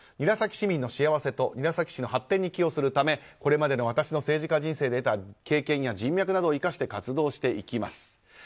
韮崎市民の幸せと韮崎市に発展に寄与するためこれまでの私の政治家人生で得た経験人脈などを生かして活動していきます。